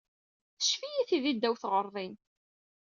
Teccef-iyi tidi ddaw tɣerdin.